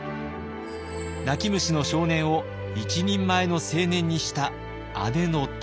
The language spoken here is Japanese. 泣き虫の少年を一人前の青年にした姉の乙女。